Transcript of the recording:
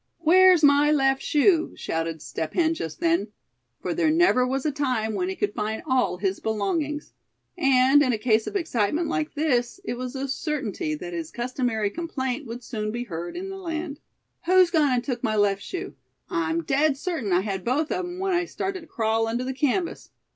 "Where's my left shoe?" shouted Step Hen just then; for there never was a time when he could find all his belongings; and in a case of excitement like this it was a certainty that his customary complaint would soon be heard in the land. "Who's gone and took my left shoe? I'm dead certain I had both of 'em when I started to crawl under the canvas.